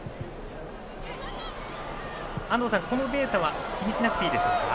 安藤さん、このデータは気にしなくていいですか？